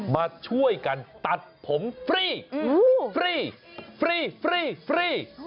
มาช่วยกันตัดผมฟรีฟรีฟรีฟรีฟรี